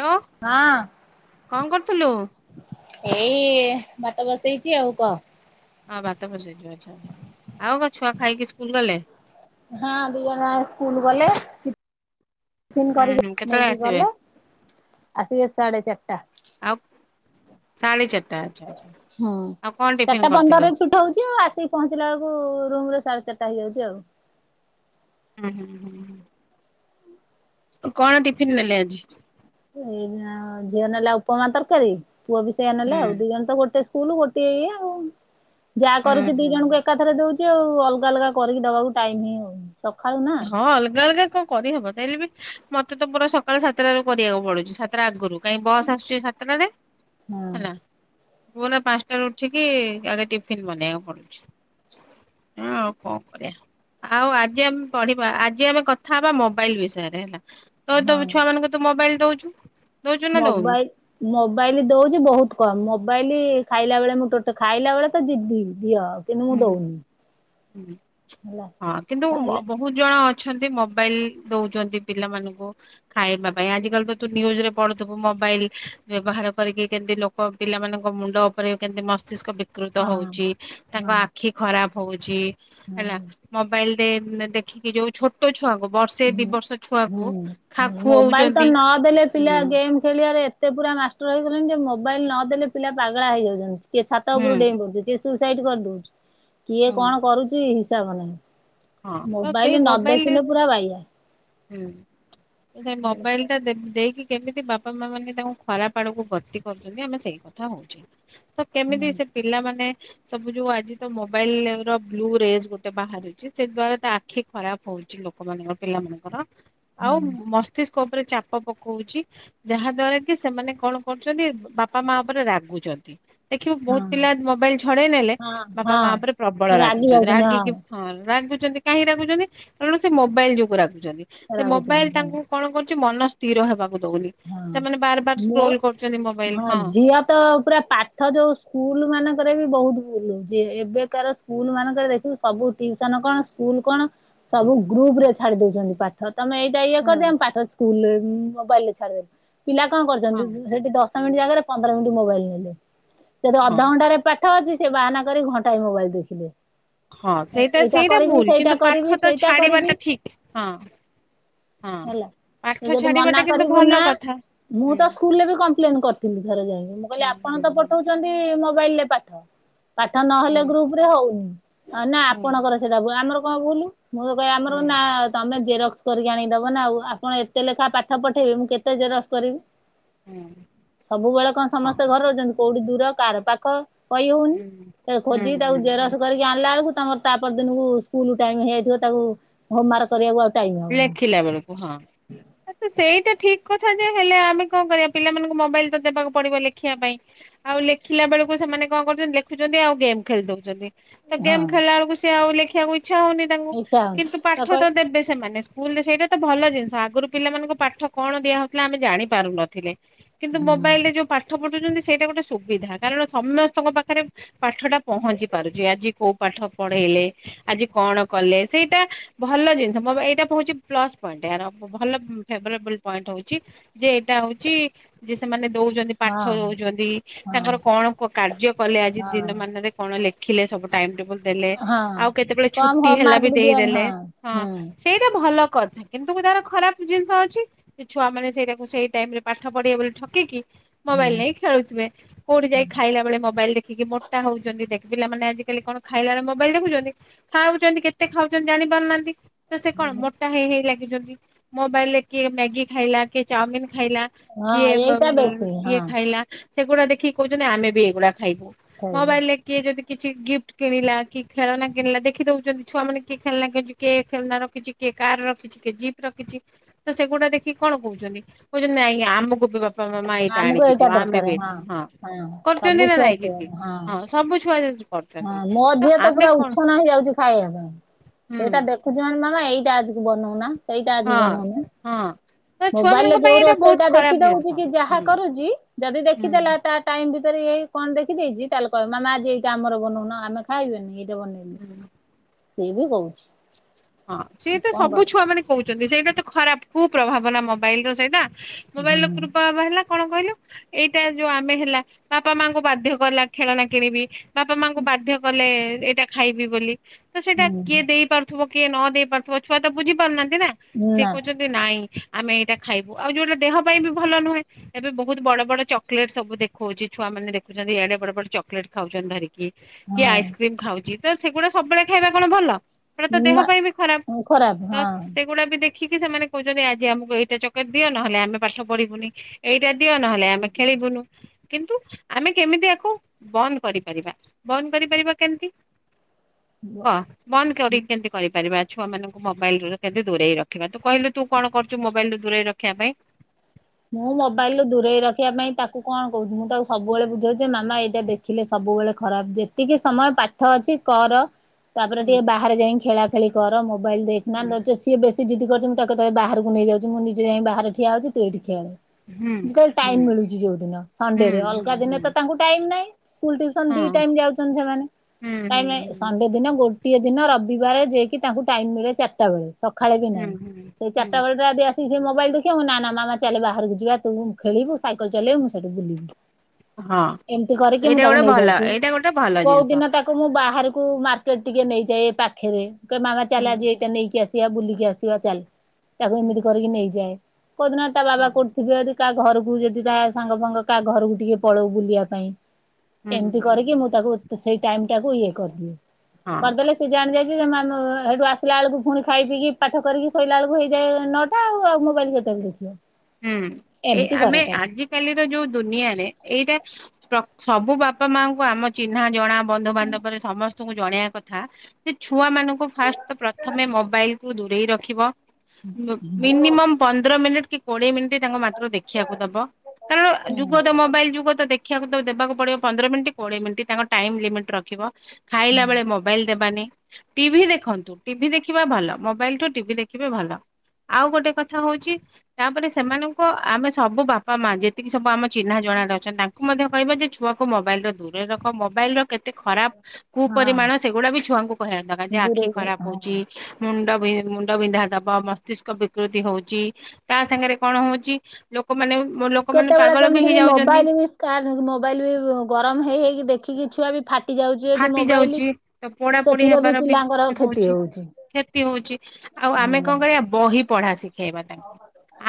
Hello ହଁ। କଣ କରୁଥିଲୁ? ଏଇ ଭାତ ବସେଇଛି ଆଉ କହ। ହଁ ଭାତ ବସେଇଛୁ ଆଛା ଆଛା ଆଉ କ ଛୁଆ ଖାଇକି ସ୍କୁଲ ଗଲେ? ହଁ ଦିଜଣ ଯାକ ସ୍କୁଲ ଗଲେ। ଟିଫିନ ହୁଁ ହୁଁ କରିକି କେତେବେଳେ ନେଇକି ଆସିବେ ଗଲେ ଆସିବେ ସାଢ଼େ ଚାରିଟା। ସାଢ଼େ ଚାରିଟା ଆଛା ଆଛା। ହଁ ଚାରିଟା ପନ୍ଦରରେ ଛୁଟି ହଉଛି ଆଉ ଆସିକି ପହଞ୍ଚିଲା ବେଳକୁ ରୁମ ସାଢେ ଚାରିଟା ହେଇଯାଉଛି ଆଉ। ହୁଁ ହୁଁ ହୁଁ ହୁଁ। କଣ ଟିଫିନ ନେଲେ ଆଜି? ଏ ଝିଅ ନେଲା ଉପମା ତରକାରୀ ପୁଅ ବି ସେଇଆ ନେଲା ହୁଁ ଆଉ ଦି ଜଣ ତ ଗୋଟେ ସ୍କୁଲ ଗୋଟିଏ ଇଏ ଆଉ ଯାହା ହୁଁ କରୁଛି ଦି ହୁଁ ଜଣଙ୍କୁ ଏକାଥରେ ଦଉଛି। କି ଆଉ ଅଲଗା ଅଲଗା କରିକି ଦେବାକୁ ଟାଇମ ହଁ ହେଉନି ହଁ ଅଲଗା ଅଲଗା କଣ କରିହବ। ହେଲେ ବି ମତେ ତ ପୁରା ସକାଳୁ ସାତଟାରୁ କରିବାକୁ ପଡୁଛି ସାତଟା ଆଗରୁ। କାଇହିଁ ବସ୍ ଆସୁଛି ସାତଟାରେ ହଁ ହେଲା ପୁଅ ନା ପାଞ୍ଚଟାରୁ ଉଠିକି ଆଗେ ଟିଫିନ ବନେଇବାକୁ ପଡୁଛି। ହଁ କଣ କରିବା ଆଉ ପଢିବା ଆଜି ଆମେ କଥା ହବା ମୋବାଇଲ ବିଷୟରେ ହେଲା ତ ତ ହଁ। ଛୁଆ ମାନଙ୍କୁ ତୁ ମୋବାଇଲ ଦଉଛୁ? ଦଉଛୁ ନା ଦଉନୁ? ମୋବାଇଲ ମୋବାଇଲ ଦୋଉଚି ବହୁତ କମ ମୋ ମୋବାଇଲି ଖାଇଲା ବେଳେ ମୁଁ ଟୋଟେ ଖାଇଲା ବଳେ ତ ଜିଦ୍ଧି ହୁଁ ହଁ ହେଲା ହଁ କିନ୍ତୁ ଖାଇଲା ବହୁତ ଜଣ ଅ ମୋବାଇଲ ଦଉଛନ୍ତି। ପିଲାମାନଙ୍କୁ ଖାଇବା ପାଇଁ ଆଜିକାଲି ତ ତୁ ନ୍ୟୁଜରେ ପଢୁଥିବୁ ମୋ ମୋବାଇଲ ବ୍ୟବହାର କରିକି କେମିତି ଲୋକ ପିଲାମାନଙ୍କ ମୁଣ୍ଡ ଉପରେ କେମତି ମସ୍ତିଷ୍କ ବି ବିକୃତ ହଁ ହଉଛି। ତାଙ୍କ ହଁ ଆଖି ଖରାପ ହଉଚ ହେଲା ହଁ ମୋବାଇଲ ଦେଖିକି ଯୋଉଁ ଛୋଟ ଛୁଆଙ୍କୁ ବର୍ଷେ ଦି ହଁ ବର୍ଷ ଛୁଆକୁ ଖା ହଁ ମୋବାଇଲ ତ ଖୁଅଉଛନ୍ତି। ନଦେଲେ ପିଲା ହୁଁ। ଗେମ ଖେଳିବାରେ ଏତେ ଏତେ ପୁରା ମାଷ୍ଟର ହେଇଗଲେଣି ଯେ ମୋବାଇଲ ନଦେଲେ ପିଲା ପାଗଳା ହେଇଯାଉଛନ୍ତି। କିଏ ଛାତ ଉପରୁ ହୁଁ ଡେଇଁ ପଡୁଛି କିଏ ସୁସାଇଡ କରିଦଉଛି, କିଏ ହୁଁ କଣ କରୁଛି ହିସାବ ନାହିଁ ହଁ ତ ସେଇ ମୋବାଇଲ ନ ମୋବାଇଲରେ ହୁଁ, ସେ ମୋବାଇଲ ଟା ଦେଇକି କେମିତି ବାପା ମା ମାନେ ତାଙ୍କୁ ଖରାପ ତ କେମିତି ହଁ ସେ ସବୁ ଯୋଉ ଆଜି ତ ମୋବାଇଲ ର ବ୍ଲୁ ରେଜ ଗୋଟେ ବାହାରୁଛି। ସେ ଦ୍ୱାରା ତା ଆଖି ଖରାପ ହଉଛି ଲୋକମାନଙ୍କ ପିଲା ମଙ୍କର ଆଉ ହଁ ମସ୍ତିକ ଉପରେ ଚାପ ପକଉଛି, ଯାହା ଦ୍ଵାରା କି ସେମାନେ କଣ କରୁଛନ୍ତି, ବାପା ମା ଉପରେ ରାଗୁଛନ୍ତି। ଦେଖିବୁ ବହୁତ ପିଲା ମୋବାଇଲ ଛଡେଇ ନେଲେ ହଁ ବାପା ମା ଉପରେ ପ୍ରବଳ ହଁ ରାଗି ରାଗୁଛନ୍ତି, ଯାଉଛନ୍ତି ହଁ ରାଗିକି ହ ରାଗୁଛନ୍ତି, କାହିଁ ରାଗୁଛନ୍ତି, କାରଣ- ସେ ମୋବାଇଲ ଯୋଗୁ ରାଗୁଛନ୍ତି, ସେ ରାଗୁଛନ୍ତି ମୋବାଇଲ ହଁ ତାଙ୍କୁ କଣ କରୁଛି ମନ ସ୍ଥିର ହେବାକୁ ଦଉନି। ହଁ ସେମାନେ ବାର ବାର ମୋ ସ୍କ୍ରୋଲ କରୁଛନ୍ତି ମୋବାଇଲ ହଁ ଝିଅ ତ, ପୁରା ପାଠ ଯୋଉ ସ୍କୁଲ ମାନଙ୍କ ଏଵେବି ବହୁତ ଭୁଲ ହଉଛି, ଏବେକାର ସ୍କୁଲ ମାନଙ୍କରେ ଦେଖିବୁ ସବୁ ଟିଉସନ କଣ, ସ୍କୁଲ କଣ ସବୁ ଗ୍ରୁପ ରେ ଛାଡି ଦଉଛନ୍ତି ପାଠ, ତମେ ଏଇଟା ଇଏ ହଁ କରିଦିଅ, ପାଠ ସ୍କୁଲରେ ମୋବାଇଲ ପିଲା କଁ ହଁ କରୁଛନ୍ତି, ସେଠି ଦଶ ମିନିଟ୍ ଜାଗାରେ ପନ୍ଦର ମିନିଟ୍ ମୋବାଇଲ ନେଲେ ସେଠି ହଁ। ଅଧଘଣ୍ଟା ରେ ପାଠ ଅଛି, ସେ ବାହାନା କରି ଘଣ୍ଟାଏ ମୋବାଇଲ ଦେଖିଲେ ହଁ ସେଇଟା, ଏଇଟା ସେଇଟା କରିବି ଭୁଲ, ସେଇଟା କିନ୍ତୁ କରିବି ପାଠ ତ ସେଇଟା କରିବି ଛାଡିବାଟା ଠିକ ହଁ ହଁ ହେଲା ତୁ ପାଠ ଯଦି ଛାଡିବା ମନା ଟା କିନ୍ତୁ କରିବୁ ନା ଭଲ କଥା ମୁଁ ହୁଁ। ତ ସ୍କୁଲରେ ବି କମ୍ପ୍ଲେନ କରିଥିଲି, ଥରେ ଯାଇକି, ମୁଁ କହିଲି ହଁ ଆପଣ ତ ପଠଉଛନ୍ତି ମୋବାଇଲରେ ପାଠ ନହେଲେ ଗ୍ରୁପ ରେ ହଉନି, ନା ଆପଣଙ୍କର ସେଟା ଭୁଲ ଆମର କଣ ଭୁଲ ମୁଁ ତ କହି ଆମର ନା, ତମେ ଜେରକ୍ସ କରିକି ଆଣିଦବ ନା, ଆଉ ଆପଣ ଏତେ ଲେଖା ପାଠ [inaudible] ମୁଁ କେତେ ଜେରସ୍କ କରିବି, ସବୁବେଳେ କଣ ସମସ୍ତେ ଘରେ ଅଛନ୍ତି କୋଉଠି ଦୂର କାହାର ପାଖ, କହି ହଉନି, ଖୋଜିକି ତାକୁ ଜେରସ କରିକି ଆଣିଲା ବେଳକୁ ତମର ତା ପର ଦିନକୁ ସ୍କୁଲ ଟାଇମ ହେଇଯାଇଥିବ, ତାକୁ ହୋମୱାର୍କ କରିବାକୁ ଆ ଲେଖିଲା ବେଳକୁ ହଁ, ସେ ସେଇଟା ଠିକ କଥା ଯେ- ହେଲେ ଆମେ କଣ କରିବା, ପିଲାମାନଙ୍କୁ ମୋବାଇଲ ତ ଦେବାକୁ ପଡିବ, ଲେଖିବା ପାଇଁ, ଆଉ ଲେଖିଲା ବେଳେ ସେମାନେ କଣ କରୁଛନ୍ତି, ଲେଖୁଛନ୍ତି ଆଉ ଗେମ୍ ଖେଳି ଦଉଛନ୍ତି। ତ ଗେମ୍ ହଁ ଖେଳିଲା ବେଳକୁ, ସେ ଆଉ ଲେଖିବାକୁ ଇଚ୍ଛା ହଉନି ତାଙ୍କୁ, ଇଚ୍ଛା ହଉନି କିନ୍ତୁ ପାଠ କହି ତ ଦେବେ ମାନେ ସ୍କୁଲ ରେ ସେଇଟା ତ ଭଲ ଜିନିଷ, ଆଗରୁ ପିଲାମାନଙ୍କ ପାଠ କଣ ଦିଆହଉଥିଲା, ଆମେ ଜାଣି ପାରୁନଥିଲେ। କିନ୍ତୁ ହୁଁ ମୋବାଇଲ ରେ ଯୋଉ ପାଠ ପଠ ସେଇଟା ଗୋଟେ ସୁବିଧା, କାରଣ ସମସ୍ତଙ୍କ ପାଖରେ ପାଠଟା ପହଞ୍ଚି ପାରୁଛି, ଆଜି କୋଉ ପାଠ ପଢେଇଲେ, ଆଜି କଣ କଲେ, ସେଇଟା ଭଲ ଜିନିଷ ଏଇଟା ହଉଛି ପ୍ଲସ୍ ପଏଣ୍ଟ, ଏହାର ଭଲ ଫେଭରବୁଲ ପଏଣ୍ଟ ହଉଛି, ଯେ -ଏଇଟା ହଉଛି ଯେ ସେମାନେ ଦଉଛନ୍ତି, ପାଠ ହଁ ଦଉଛନ୍ତି, ହଁ ତାଙ୍କର କଣ କାର୍ଯ୍ୟ କଲେ ଆଜି ହଁ ଦିନ ମାନଟାରେ କଣ ଲେଖ ଦେଖିଲେ ସବୁ ଟାଇମ ଟେବୁଲ ଦେଲେ ହଁ ଆଉ କେତେବେଳେ କମ ଛୁଟି ହୋମ ହେଲା ମାର୍କ ବି ଦିଅନି ଦେଇଦେଲେ, ହଁ ହୁଁ ସେଇଟା ଭଲ କଥା କିନ୍ତୁ ତାର ଖରାପ ଜିନିଷ ଅଛି, ଛୁଆ ମାନେ ସେଇଟାକୁ ସେଇ ଟାଇମରେ ପାଠ ପଢେଇବେ ବୋଲି ଠକିକି ମୋବାଇଲ ହୁଁ ନେଇକ ଖେଳୁଥିବେ, କୋଉଠି ଯାଇ ଖାଇଲା ବଳେ ମୋବାଇଲ ଦେଖିକି ମୋଟା ହଉଛନ୍ତି ଦେଖ ପିଲାମାନେ ଆଜିକାଲି କଣ ଖାଇଲବେଳେ ମୋବାଇଲ ଦେଖୁଛନ୍ତି, ଖାଉଛନ୍ତି କେତେ ଖାଉଛନ୍ତି ଜାଣି ପାରୁନାହାନ୍ତି। ତ ସେ କଣ ମୋଟା ହେ ହେଇ ଲାଗିଛନ୍ତି, ମୋବାଇଲ ରେ କିଏ ମ୍ୟାଗି ଖାଇଲା କିଏ ଚାଓମିନ ଖାଇଲା, ହଁ କିଏ ଏଇଟା ବେଶୀ ହଁ ଇଏ ଖାଇଲା, ସେଗୁଡା ଦେଖିକି କହୁଛନ୍ତି ଆମେ ବି ଏଇଗୁଡା ଖାଇବୁ, ଠିକ ମୋବାଇଲରେ କିଏ ଯଦି କିଛି ଗିଫ୍ଟ କିଣିଲା, କି ଖେଳନା କିଣିଲା, ଦେଖିଦଉଛନ୍ତି ଛୁଆ ମାନେ କିଏ ଖେଳନା କିଣୁଛି, କିଏ ଖେଣନା ରଖିଛି, କିଏ କାର ରଖିଛି, କିଏ ଜିପ୍ ରଖିଛି, ତ ସେଗୁଡା ଦେଖିକି କଣ କହୁଛନ୍ତି କହୁଛନ୍ତି ନାଇଁ ଆମକୁ ବି ମା ଏଟା ଆମକୁ ଆଣିକି ଏଇଟା ଦିଅ, ଆମେ ଦରକାର ବି ଏଇଟା ହଁ ସବୁ କରୁଛନ୍ତି, ନା ଛୁଆ ନାଇଁ ସେୟା କିି ହଁ ସବୁ ଛୁଆ ହଁ କରୁଛନ୍ତି ମୋ ଝିଅ ତ ଆମେ ପୁରା କଣ ଉଚ୍ଛନ ହେଇଯାଉଛି ଖାଇବା ପାଇଁ, ହୁଁ ସେଇଟା ଦେଖୁଛି ମାମା, ଏଇଟା ଆଜିକୁ ବନଉନା। ସେଇଟା ଆଜି ହଁ ବେନୋଉନୁ, ହଁ ତ ଛୁଆ ମୋବାଇଲରେ ମାନଙ୍କ ପାଇଁ ଯୋଉ ଏଇଟା ବହୁତ ରୋଷେଇଟା ଖରାପ ଦେଖିଦଉଛି ଜିନିଷ ଯାହା ହୁଁ କରୁଛି ଯଦି ହୁଁ ଦେଖିଦେଲା ତା ଟାଇମ୍ ଭିତରେ ଏଇ କଣ ଦେଖି ଦେଇଛି ତାହେଲେ କହିବ ମାନେ ଆଜି ଏଇଟା ଆମର ବନଉନ ଆମେ ଖାଇବାନି କି? ବନେଇନି ହୁଁ। ସିଏ ବି ଯାଉନି। ହଁ ସିଏ ତ ସବୁ ଛୁଆ ମାନେ କହୁଛନ୍ତି ସେଇଟା ଖରାପ କୁ ପ୍ରଭାବ ନା ମୋବାଇଲ ର ସେଇଟା ମୋବାଇଲ ର ହୁଁ କୃପ୍ରଭାବ ହେଲା। କଣ କହିଲୁ ଏଇଟା ଯୋଉ ଆମେ ହେଲା ବାପା ମାଙ୍କୁ ବାଧ୍ୟ କଲା ଖେଳନା କିଣିବି ବାପା ମାଙ୍କୁ ବାଧ୍ୟ କଲେ ଏଇଟା ଖାଇବି ବୋଲି ତ ସେଇଟା କିଏ ହୁଁ ଦେଇ କୁହ କିଏ ନ ଦେଇ ପାରୁଥିବ ଛୁଆ ତ ବୁଝି ପାରୁନାହାନ୍ତି ନା ସେ ନା କହୁଛନ୍ତି ନାଇଁ ଆମେ ଏଇଟା ଖାଇବୁ ଆଉ ଯୋଉଟା ଦେହ ପାଇଁ ବି ଭଲ ନୁହେଁ ଏବେ ବହୁତ ବଡ ବଡ ଚକଲେଟ୍ ସବୁ ଦେଖଉଛି ଛୁଆ ମାନେ ଦେଖୁଛନ୍ତି ଇଆଡେ ବଡ ଚକଲେଟ ଖାଉଛନ୍ତି ଧରିକି। କି କିଏ ହଁ ଆଇସ୍କ୍ରିମ ଖାଉଛି ତ ସେଗୁଡା ସବୁବେଳେ ଖାଇବା କଣ ଭଲ? ସେଇଟା ତ ଦେହ ନା ପାଇଁ ବି ଖରାପ ତ ସେଗୁଡା ବି ଦେଖ ଦେଖିକି ସେମାନେ କହୁଛନ୍ତି ଆଜି ଆମକୁ ଏଇଟା ଚକେଟ ଦିଅ ନହେଲେ ଆମେ ପାଠ ପଢିବୁନି। ଏଇଟା, ଦିଅ ନହେଲେ ଆମେ ଖେଳିବୁନୁ। କିନ୍ତୁ ଆମେ କେମିତି ଆକୁ ବନ୍ଦ କରିପାରିବା ବନ୍ଦ କରିପାରିବା କେମିତି? କ ବନ୍ଦ କରିବି କେମିତି କହିବେ? ପାରିବା ଛୁଆମାନଙ୍କୁ ମୋବାଇଲ ରୁ କେମିତି ଦୂରେଇ ରଖିବା ତୁ କହିଲୁ ତୁ କଣ କରୁ ମୋବାଇଲ ରୁ ଦୂରେଇ ରଖିବା ପାଇଁ। ମୁଁ ମୋବାଇଲ ରୁ ଦୂରେଇ ରଖିବା ପାଇଁ ତାକୁ କଣ କହୁଛି ମୁଁ ତାକୁ ସବୁବେଳେ ବୁଝାଉଛି। ଯେ ମାମା ଏଇଟା ଦେଖିଲେ ସବୁବେଳେ ଖରାପ ଯେତିକି ସମୟ ପାଠ ଅଛି କର। ତାପରେ ହୁଁ ଟିକେ ବାହାରେ ଯାଇ ଖେଳା ଖେଳି କର ମୋବାଇଲ ଦେଖନା ତା ସିଏ ବେଶି କର - ମୁଁ ତାକୁ କେତେବେଳେ ବାହାରକୁ ନେଇ ଯାଉଛି ମୁଁ ନିଜେ ଯାଇ ବାହରେ ଠିଆ ହଉଛି ତୁ ଏଇଠି ଖେଳେ। ହୁଁ ଯେତେବେଳେ ଟାଇମ ହୁଁ ମିଳୁଛି ଯୋଉ ଦିନ ସଣ୍ଡେ ହୁଁ ରେ ଅଲଗା ଦିନେ ହୁଁ ତ ତାଙ୍କୁ ଟାଇମ ନାହିଁ। ସ୍କୁଲ ଟିଉସନ ଦି ହଁ ଟାଇ ଯାଉଛନ୍ତି। ସେମାନେ ହୁଁ ହୁଁ ତାହେଲେ ହୁଁ। ସଣ୍ଡେ ଦିନ ଗୋଟିଏ ଦିନ ରବିବାର ଯିଏକି ତାଙ୍କୁ ଟାଇମ୍ ମିଳେ ଚାରିଟା ବେଳେ ସକ୍ ଖେଳେ ବି ହୁଁ ନାହିଁ ହୁଁ ସେ ହୁଁ ଚାରଟାବେଳେରୁ ଆଜିଠୁ ଆସିକି ମୋବାଇଲ ଦେଖିବ ନା ନା ମାମା ଚାଲେ ବାହାରକୁ ଯିବା ତୁ ଖେଳିବୁ ସାଇକେଲ ଚଲେଇବୁ ମୁଁ ସେଇଠି ବୁଲିବି। ହଁ ଏମିତି କରିକି ମୁଁ ଏଇଟା ତାକୁ ଗୋଟେ ନେଇ ଭଲ ଯାଉଛି। ଏଇଟା ଗୋଟେ ଭଲ କୋଉ ଜିନିଷ। ଦିନ ତାକୁ ମୁଁ ବାହାରେ କୁ ମାର୍କେଟ ଟିକେ ନେଇଯାଏ ପାଖରେ କ ମାମା ଚାଲେ ହୁଁ ଆଜି ଏଇଟା ନେଇକି ଆସି ବୁଲିକି ଆସିବା ଚାଲେ ତାକୁ ହୁଁ ଏମିତି କରିକି ନେଇଯାଏ। କୋଉଦିନ ତା ବାବା ହଁ କୋଠିଥିବେ ଯଦ କା ଘରକୁ ଯଦି ତା ସାଙ୍ଗ ଫାଙ୍ଗ କାହା ଘରକୁ ଟିକେ ପଳଉ ବୁଲିବା ପାଇଁ। ହୁଁ ଏମିତି ହୁଁ କରିକି ମୁଁ ତାକୁ ସେଇ ଟାଇମ ଟାକୁ ଇଏ କରିଦିଏ। ହଁ। କରିଦେଲେ ସେ ଜାଣି ଯାଏ ସେଠୁ ନାନୁ ଆସିଲା ବେଳକୁ ପୁଣି ଖାଇ ପିଇକି ପାଠ କରିକି ଶୋଇଲା ଆଳକୁ ହେଇଯାଏ ନଅଟା ଆଉ ମୋବାଇଲି କେ କୁଆଡ଼େ ଦେଖିବ। ହୁଁ ଏଇ ଏମିତି ଆମେ କର ତାକୁ। ଆଜିକାଲିର ଯୋଉ ଦୁନିଆରେ ଏଇଟା ପ୍ର ସବୁ ବାପା ମାଙ୍କୁ ଆମ ଚିହ୍ନା ଜଣା ବନ୍ଧୁବାନ୍ଧବରେ ସମସ୍ତ ଜଣେଇବା କଥା ଯେ ଛୁଆ ମାନଙ୍କୁ ଫାଷ୍ଟ ତ ପ୍ରଥମେ ମୋବାଇଲ କୁ ଦୂରେଇ ରଖିବ। ମିନିମମ୍ ପନ୍ଦର ମିନଟ କି କୋଡ଼ିଏ ମିନିଟ ତାଙ୍କ ମାତ୍ର ଦେଖିବାକୁ ଦବ କାରଣ ହଁ ଯୁଗ ତ ମୋବାଇଲ ଯୁଗ ତ ଦେଖିବାକୁ ତ ଦେବାକୁ ପଡିବ ପନ୍ଦର ମିନିଟ୍ କୋଡ଼ିଏ ମିନିଟ ତାଙ୍କ ଟାଇମ୍ ଲିମିଟ୍ ରଖିବ। ଖାଇଲା ବେଳେ ମୋବାଇଲ ଦେବାନି। ଟିଭିି ଦେଖନ୍ତୁ ଟିଭିି ଦେଖିବା ଭଲ ମୋବାଇଲଠୁ ଟିଭି ଦେଖିବେ ଭଲ। ଆଉ ଗୋଟେ କଥା ହଉଛି ତାପରେ ସେମାନଙ୍କ ଆମେ ସବୁ ବାପା ମା ଯେତିକି ସବୁ ଆମ ଚିହ୍ନା ଜଣାରେ ଅଛନ୍ତି ତାଙ୍କୁ ମଧ୍ୟ କହିବା ଯେ ଛୁଆ ମୋବାଇଲ ର ଦୂରରେ ରଖ। ମୋବାଇଲ ର କେତେ ଖରାପ ହଁ କୁପରିମାଣ ସେ ଗୋଡାକ ବି ଛୁଆଙ୍କୁ କହିବା ଦରକାର୍ ଯେ ଆଖି ଦୂରେଇ ଖରାପ ହଁ। ହଉଛି ମୁଣ୍ଡ ମୁଣ୍ଡ ବିନ୍ଧା ଦବ ମସ୍ତିଷ୍କ ବିକୃତି ହଉଛି ତା ସାଙ୍ଗରେ କଣ ହଉଛି ଲୋକମାନେ ଲୋକମାନେ କେତେବେଳେ ପାଗଳ କେମିତି ବି ହେଇଯାଉଛନ୍ତି ମୋବାଇଲ ବିସ୍ ମୋବାଇଲ ବି ଗରମ ହେଇ ହେଇକି ଦେଖ ଦେଖି ବି ଛୁଆ ବି ଫାଟି ଯାଉଛି ଯଦି ଫାଟି ମୋବାଇଲ ଯାଉଛି ତ ପୋଡା ପୋଡି ସେଥିରେ ବି ହେବାର ପିଲାଙ୍କର କ୍ଷତି ହଉଛି। କ୍ଷତି ହଉଛି ଆଉ ଆମେ ହୁଁ କଣ କରିବା ବହି ପଢା ଶିଖେଇବା ତାଙ୍କୁ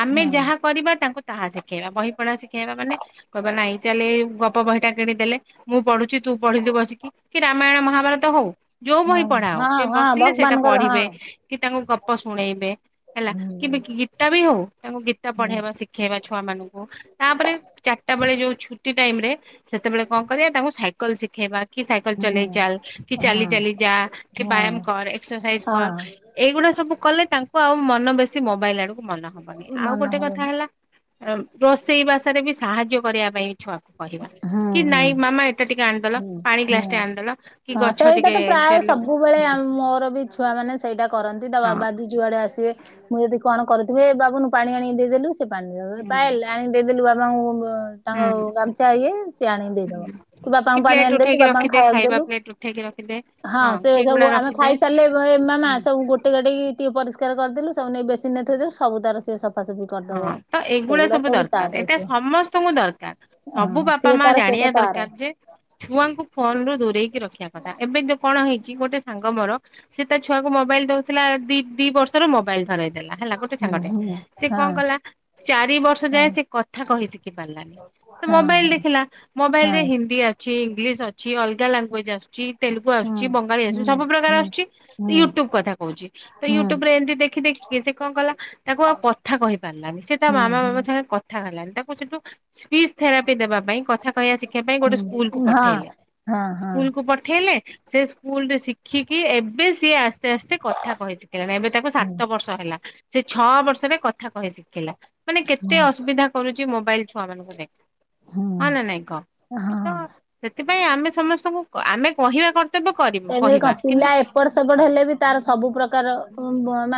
ଆମେ ହଁ ଯାହା କରିବା ତାଙ୍କୁ ତାହା ଶିଖେ ଶିଖେଇବା ବହି ପଢା ଶିଖେଇବା ମାନେ କହିବା ନାଇଁ ଚାଲିଲେ ଗପ ବହି ଟା କିଣିଦେଲେ ମୁଁ ପଢୁଚି ତୁ ପଢିଲି ବସ କି ରାମାୟଣ ମହାଭାରତ ହୋଉ ଯୋଉ ବହି ହଁ ପଢା ହଁ ହୋଉ ହଁ ବସିଲେ ସେଇଟା ଭଗବାନଙ୍କର ପଢିବେ, ହଁ। କି ତାଙ୍କୁ ଗପ ଶୁଣେଇବେ ହେଲା ହୁଁ କି ଗୀତା ବି ହୋଉ। ତାଙ୍କୁ ଗୀତା ହୁଁ ପଢ଼େଇବା ଶିଖେଇବା ଛୁଆ ମାନଙ୍କୁ ତାପରେ ଚାରିଟା ବେଳେ ଯୋଉ ଛୁଟି ଟାଇମରେ ସେତେବେଳେ କଣ କରିବା ତାଙ୍କୁ ସାଇକେଲ ଶିଖେଇବା। କି ସାଇକେଲ ଚଲେଇ ଚାଲ କି ହୁଁ ଚାଲି ଚାଲି ହଁ ଯା କି ବ୍ୟାୟାମ ହଁ କର, ଏକ୍ସରସାଇଜ କର, ହଁ। ଏଇଗୁ ସବୁ କଲେ ତାଙ୍କୁ ଆଉ ମନ ବେଶୀ ମୋବାଇଲ୍ ଆଡକୁ ମନ ହବନି, ଆଉ ମନ ଗୋଟେ କଥା ହବନି ହେଲା ରୋଷେଇ ଭାଷାରେ ବି ସାହାଯ୍ୟ କରିବା ପାଇଁ। ଛୁଆକୁ କହିବା କି ନାଇଁ ମାମା ଏଇଟା ଟିକେ ଆଣିଲ। ହଁ ହଁ ସେଇଟା ତ ପ୍ରାୟ ଚାଲ ସବୁବେଳେ ମୋର ବି ଛୁଆ ମାନେ ସେଇଟ କ ତା ହଁ ବାବା ଦି ଯୁଆଡେ ଆସିବେ ମୁଁ ଯଦି କଣ କରୁଥିବି ଏ ବାବୁନୁ ପାଣି ଆଣିକି ଦେଇଦେଲୁ। ତ ପାଣି ପାଏଲ୍ ଆଣିକି ଦେଇଦେଲୁ ବାବାଙ୍କୁ ତାଙ୍କ ହୁଁ ଗମୁ ଇଏ ସିଏ ଆଣି ଦେଇଦବ, ହୁଁ କି ବାପାଙ୍କୁ ପାଣି ପ୍ଲେଟ ଆଣିଦେଲୁ ଉଠେଇକି ବାପାଙ୍କୁ ରଖିଦେ ଖାଇବାକୁ ଖାଇବା ଦେଲୁ, ପ୍ଲେଟ ଉଠେଇକି ରଖିଦେ ହଁ। ସେ କି ସବୁ ଏଗୁଡା ଆମେ ରଖିଦେ ଖାଇସାରିଲେ ଏ ମାମା ହୁଁ ସବୁ ଗୋଟେ ଗାଟେକି ଟିକେ ପରିସ୍ ଚିକାର କରିଦେଲୁ ସୁବୁ ନେଇ ବେସିନ୍ ନେ ଥୋଇଦେଲୁ ସବୁ ତାର ସେ ସଫା ହଁ ତ ଏଇଗୁଡା ସବୁ ତା ଦରକାର ଏଇଟା ଦାୟିତ୍ୱ ସମସ୍ତଙ୍କୁ ଦରକାର। ହଁ ସବୁ ବାପା ସିଏ ମା ତାର ସେଇଟା ଜାଣିବା ତାର ଦରକାର ଯେ ଛୁଆଙ୍କୁ ଫୋନ ରୁ ଦୂରେଇକି ରଖିବା କଥା ଏବେ ଦେଖ କଣ ହେଇଚି ଗୋଟେ ସାଙ୍ଗ ମୋର ସେ ତା ଛୁଆକୁ ମୋବାଇଲ ଦୋଉଥିଲା ଦି ଦି ବର୍ଷରୁ ମୋବାଇଲ ଧର ଦେଲା ହେଲା ଗୋଟେ ସାଙ୍ଗଟେ ସେ କଣ କଲା ଚାରି ବର୍ଷ ପିଲା ଯାଏ ସେ କଥା କହି ଶିଖି ପାରିଲାନି। ମୋବାଇଲ ଦେଖିଲା ମୋବାଇଲ ରେ ଏପଟ ହିନ୍ଦୀ ଅଛି, ଇଂଲିଶ ଅଛି ଅଲଗା ଲାଙ୍ଗୁଏଜ ଆସ ତେଲୁଗୁ ଆସୁଚି ବଙ୍ଗାୀ ଆସୁଛି ସବୁ ପ୍ରକାର ଆସୁ ୟୁଟ୍ୟୁବ କଥା କହୁଚ ତ ୟୁଟୁବ ରେ ଏମ ଦେଖି ଦେଖିକି ସେ କଣ କଲା ତାକୁ ଆଉ କଥା କହି ପାରିଲାନି ସେ ତା ମାମା ମାମା ସାଙ୍ଗେ କଥା ହେଲାନି ତାକୁ ସେଠୁ ସ୍ପିଜ ଥେରାପି ଦେବା ପାଇଁ କଥା କହିବା ଶିଖିବା ପାଇଁ ଗୋଟେ ସ୍କୁଲକୁ ପଠେଇଲେ। ସ୍କୁଲ କୁ ପଠେଇଲେ ସେ ସ୍କୁଲରେ ଶିଖିକି ଏବେ ସିଏ ଆସ ଆସ୍ତେ ଆସ୍ତେ କଥା କହି ଶିଖିଲାଣି, ଏବେ ତାକୁ ସାତ ବର୍ଷ ହେଲା। ସେ ଛଅ ବର୍ଷରେ କଥା କହି ଶିଖିଲା। ମାନେ କେତେ ଅସୁବିଧା କରୁଚି, ମୋବାଇଲ ଛୁଆ ମାନଙ୍କୁ ଦେଖ ହଁ ନା ନାଇଁ କହ? ତ ସେଥିପାଇଁ ଆମେ ସମସ୍ତଙ୍କୁ ଆମେ କହିବା କର୍ତ୍ତବ୍ୟ କରୁ କହିବା, କିନ୍ତୁ ସେବଡ ସେପଡ ହଁ ହେଲେ ବି ତାର ସବୁ ପ୍ରକାର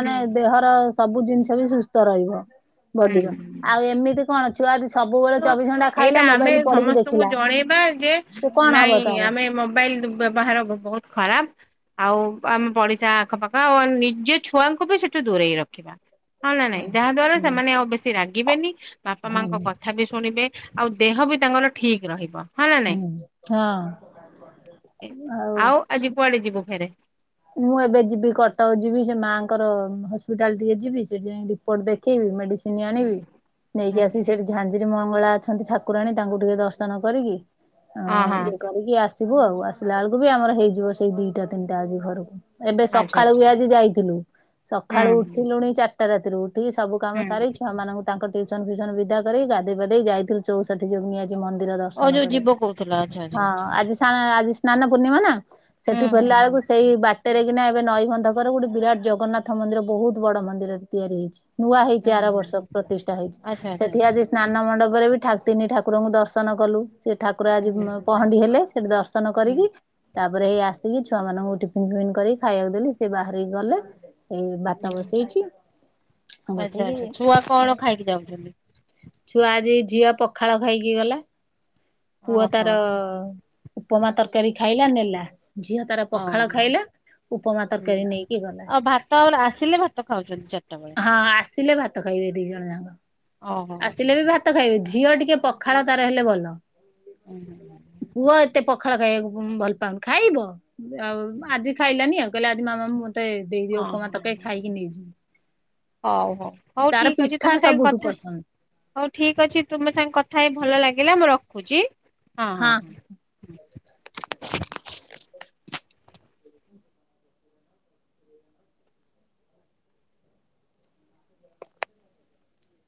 ହୁଁ ଦେହର ସବୁ ଜିନିଷ ବି ସୁସ୍ଥ ରହିବ। ବଡିର ହୁଁ। ଆଉ ଏମିତି କଣ ଛୁଆଦି ତ ଏଇଟା ଆମେ ସମସ୍ତଙ୍କୁ ଦେଖିଲା। ଜଣେଇବା ଯେ ସେ କଣ ହବ ନାଇଁ ତାର ଆମେ ମୋବାଇଲ କିୁ ବ୍ୟବହାର ବହୁତ ଖରାପ ଆଉ ଆମେ ପଡିଶା ଆଖପାଖ ଆଉ ନିଜ ଛୁଆଙ୍କୁ ବି ସେଠୁ ଦୂରେଇ ରଖିବା। ହଁ ନାଇଁ ନାଇଁ ଯାହା ଦ୍ଵାରା ସେମାନେ ଆଉ ବେଶୀ ରାଗିବେନି ବାପା ମାଙ୍କ ହଁ କଥା ଶୁଣିବେ ଆଉ ଦେହ ବି ତାଙ୍କର ଠିକ ରହିବ। ହଁ ନା ନାଇଁ, ଆଉ ଆଜି କୁଆଡେ ଯିବୁ ଫେରେ? ମୁଁ ଏବେ ଯିବି କଟକ ଯିବି, ସେ ମାଆଙ୍କର ହସ୍ପିଟାଲ ଟିକେ ଯିବି ସେ ଯ ରିପୋର୍ଟ ଦେଖେଇବି, ମେଡିସି ଚିନି ଆଣିବି ହଁ ନେଇକି ଆସିକି ସେଠି ଝାଞଜିରି ମଙ୍ଗଳା ଅଛନ୍ତି ଠାକୁରାଣୀ ତାଙ୍କୁ ଟିକେ ଦର୍ଶନ କରିକି ହ ହଁ ଇଏ କରିକି ଆସିବୁ ଆଉ ଆସିଲା ବେଳକୁ ବି ଆମର ହେଇଯିବ ସେଇ ଦିଟା ତିନିଟା ଆଜି ଘରକୁ। ଏବେ ଆଚ୍ଛା ସକାଳୁ ଆଚ୍ଛା ବି ହୁଁ ଆଜି ଯାଇଥିଲୁ ସକାଳୁ ହୁଁ ଉଠିଲୁଣି ଚାରିଟା ରାତିରୁ ଉ ଠି ସବୁ କାମ ସାରି ହୁଁ। ଛୁଆମାନଙ୍କୁଙ୍କ ଟ୍ୟୁସନ ଫିୁସନ ବିଧା କରି ଗଧେଇ ପାଧେଇ ଯାଇଥିଲୁ ଚଉ ସେଠି ଯୋଉ ନିଆଯ ଆ ମନ୍ଦିର ଓ ଦର୍ଶନ ଯୋଉ କରି ଯିବ କହୁଥିଲା ଆଚ୍ଛା ଆଚ୍ଛା ହଁ ଆଚ୍ଛା ଆଜି ଆଜି ସ୍ନାନ ପୂର୍ଣ୍ଣିମା ନା ସେଠୁ ହୁଁ ହୁଁ ଫେରିଲା ବେଳକୁ ସେଇ ବା [unintelligible] କିନା ଏବେ ନୈବନ୍ଧକର ଗୋଟେ ବିରାଟ ଜଗନ୍ନାଥ ମନ୍ଦିର ବହୁତ ବଡ ମନ୍ଦିରରେ ତିଆରି ହେଇଛି। ନୂଆ ହେଇଚି ହୁଁ ହୁଁ ଆର ବର୍ଷ ହୁଁ ପ୍ରତିଷ୍ଠା ହେଇଚି ଆଚ୍ଛା ଆଚ୍ଛା ସେଠି ଆଚ୍ଛା ଆଜି ସ୍ନାନ ମଣ୍ଡପ ବି ଠାକ୍ତିନି ଠାକୁରଙ୍କୁ ଦର୍ଶନ କଲୁ। ସେ ଠାକୁର ଆଜି ହୁଁ ପହଣ୍ଡି ହେଲେ ସେଠି ଦର୍ଶନ ହୁଁ। କରିକି, ତା ତାପରେ ଏଇ ଆସିକି ଛୁଆ ମାନଙ୍କୁ ଟିଫିନ ଫିଫନ୍ କରିକି ଖାଇବାକୁ ଦେଲି ସେ ବାହାରିକି ଗଲେ। ଏଇ ବାତ ହୁଁ ବସେଇଛି ଆଚ୍ଛା ବସେଇକି ଆଚ୍ଛା ଛୁଆ କଣ ଖାଇକି ଯାଉଛନ୍ତି? ଛୁଆ ଆଜି ଝିଅ ପଖାଳ ଖାଇକି ଗଲା ପୁଅ ଓହୋ ତାର ଉପମା ତରକାରୀ ଖାଇଲା ନେଲା ଝିଅ ତାର ପଖାଳ ଓହୋ ଖାଇଲା ଉପମା ହୁଁ ତରକାରୀ ନେଇକି ଗଲା ଆଉ ଭାତ ଆର ଆସିଲେ ଭାତ ଖାଉ। ହଁ ଆସିଲେ ଭାତ ଖାଇବେ ଦି ଜଣ ଯାକ ଓହୋ ଆଚ୍ଛା ଆସିଲେ ବି ଆଚ୍ଛା ଭାତ ଖାଇବେ ଝିଅ ଟି କେ ପଖାଳ ତାର ହେଲେ ଭଲ ହୁଁ ହୁଁ ପୁଅ ଏତେ ପଖାଳ ଖାଇବାକୁ ଉଁ ଭଲ ପାଉନି ଖାଇବ ଆଉ ଆଜି ଖାଇଲାନି ଆଉ କହିଲା ଆଜି ମାମା ମୁଁ ମତେ ଦେଇଦିଅ ହଁ ଉପମା ହଁ। ତରକାରି ଖାଇକି ନେଇଜୀ ହଉ ହଉ ହଉ ଠିକ ଅଛି ପିଠା ତମେ ସାଙ୍ଗେ ସବୁଠୁ କଥା ପସନ୍ଦ ହଉ ଠିକ ଅଛି ତମେ ସାଙ୍ଗେ କଥା ହେଇ ଭଲ ଲାଗିଲା ମୁଁ ରଖୁଚି। ହଁ ହଁ ହଁ